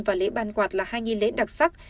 và lễ ban quạt là hai nghi lễ đặc sắc